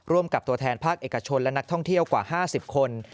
ร่วมกับตัวแทนภาคเอกชนและนักท่องเที่ยวกว่า๕๐คน